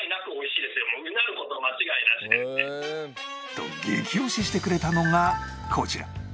と激推ししてくれたのがこちら